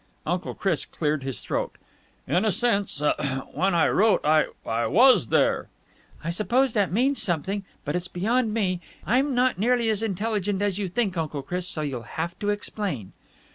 Uncle Chris cleared his throat. "In a sense ... when I wrote ... I was there." "I suppose that means something, but it's beyond me. I'm not nearly as intelligent as you think, Uncle Chris, so you'll have to explain."